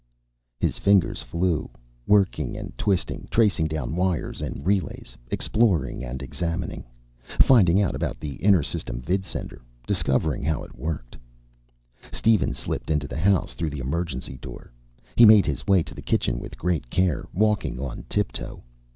His fingers flew, working and twisting, tracing down wires and relays, exploring and examining. Finding out about the inter system vidsender. Discovering how it worked. Steven slipped into the house through the emergency door. He made his way to the kitchen with great care, walking on tip toe.